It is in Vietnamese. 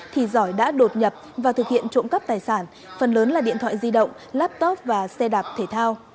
thì giỏi đã đột nhập và thực hiện trộm cắp tài sản phần lớn là điện thoại di động laptop và xe đạp thể thao